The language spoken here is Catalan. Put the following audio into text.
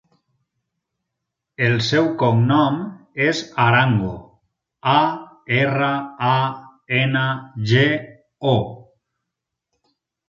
El seu cognom és Arango: a, erra, a, ena, ge, o.